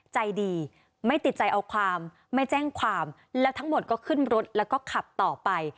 ใจดีไม่ติดใจเอาความไม่แจ้งความแล้วทั้งหมดก็ขึ้นรถแล้วก็ขับต่อไป